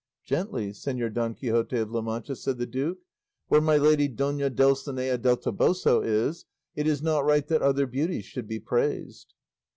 "Gently, Señor Don Quixote of La Mancha," said the duke; "where my lady Dona Dulcinea del Toboso is, it is not right that other beauties should be praised."